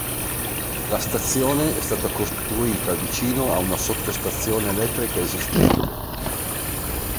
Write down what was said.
La stazione è stata costruita vicino a una sottostazione elettrica esistente.